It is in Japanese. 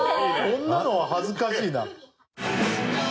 こんなのは恥ずかしいな。